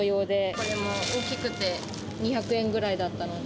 これも大きくて２００円ぐらいだったので。